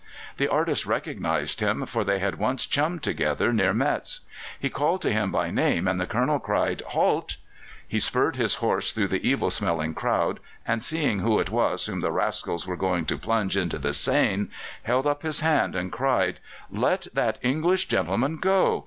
The artist recognized him, for they had once chummed together near Metz. He called to him by name, and the Colonel cried "Halt!" He spurred his horse through the evil smelling crowd, and seeing who it was whom the rascals were going to plunge into the Seine, held up his hand and cried: "Let that English gentleman go.